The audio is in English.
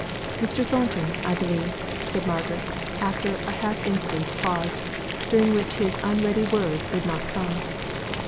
"Mr. Thornton, I believe!" said Margaret, after a half instant's pause, during which his unready words would not come.